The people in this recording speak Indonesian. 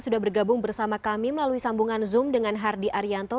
sudah bergabung bersama kami melalui sambungan zoom dengan hardy arianto